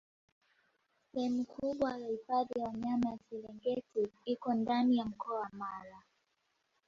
Sehemu kubwa ya hifadhi ya Wanyama ya Serengeti iko ndani ya mkoa wa Mara